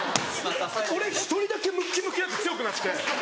俺１人だけムキムキになって強くなって。